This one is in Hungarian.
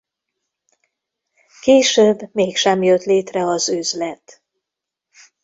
Később mégsem jött létre az üzlet.